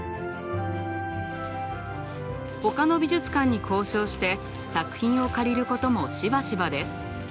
ほかの美術館に交渉して作品を借りることもしばしばです。